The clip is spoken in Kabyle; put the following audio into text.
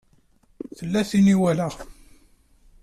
Tella tin i walaɣ.